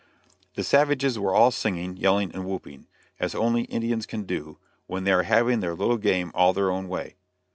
The savages were all singing, yelling and whooping, as only Indians can do, when they are having their little game all their own way.